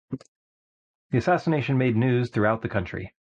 The assassination made news throughout the country.